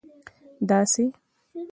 داسي